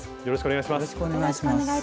よろしくお願いします。